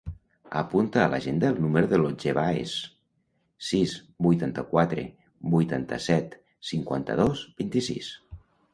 Apunta a l'agenda el número de l'Otger Baez: sis, vuitanta-quatre, vuitanta-set, cinquanta-dos, vint-i-sis.